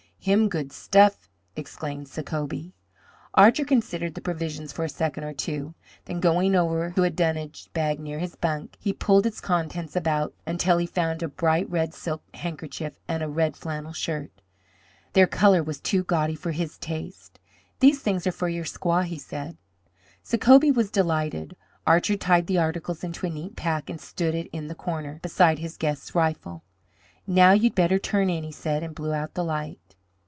Him good stuff!" exclaimed Sacobie. Archer considered the provisions for a second or two. Then, going over to a dunnage bag near his bunk, he pulled its contents about until he found a bright red silk handkerchief and a red flannel shirt. Their colour was too gaudy for his taste. "These things are for your squaw," he said. Sacobie was delighted. Archer tied the articles into a neat pack and stood it in the corner, beside his guest's rifle. "Now you had better turn in," he said, and blew out the light.